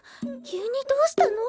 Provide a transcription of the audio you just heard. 急にどうしたの？